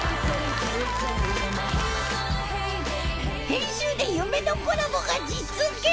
編集で夢のコラボが実現！